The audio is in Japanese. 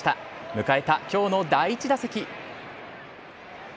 迎えたきょうの第１打席。